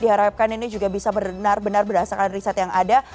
diharapkan ini juga bisa benar benar berdasarkan riset yang ada